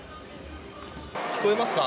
聞こえますか？